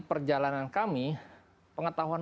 perjalanan kami pengetahuan